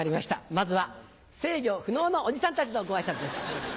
まずは制御不能のおじさんたちのご挨拶です。